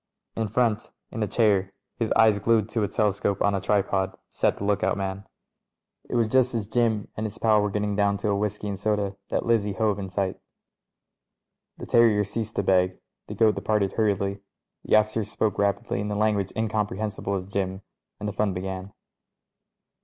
In front, in a chair, his eye glued to a telescope on a tripod, sat the look out man. ••••■ It was just as Jim and his pal were getting down to a whisky and soda that Lizzie hove in sight The terrier ceased to beg, the goat departed hurriedly, the officer spoke rapidly in a language incomprehensible to Jim, and the fun began.